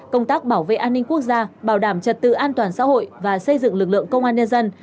công tác bảo vệ an ninh quốc gia bảo đảm trật tự an toàn xã hội và xây dựng lực lượng công an nhân dân